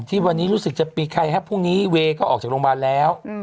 ที่วันนี้รู้สึกจะมีใครครับพรุ่งนี้เวย์ก็ออกจากโรงพยาบาลแล้ว